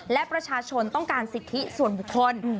และประชาชนต้องการสิทธิส่วนบุคคล